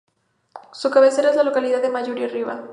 Su cabecera es la localidad de Mayarí Arriba.